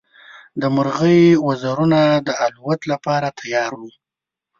د مرغۍ وزرونه د الوت لپاره تیار وو.